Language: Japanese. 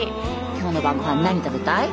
今日の晩ごはん何食べたい？